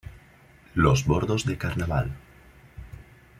Los Bordos de Carnaval.